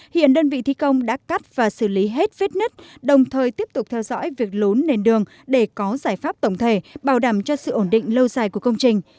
hiện đơn vị thi công đã cắt và xử lý hết vết nứt đồng thời tiếp tục theo dõi việc lốn nền đường để có giải pháp tổng thể bảo đảm cho sự ổn định lâu dài của công trình